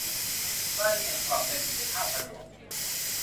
รายละเอียดฉบับเต็มอยู่ในภาคผนวก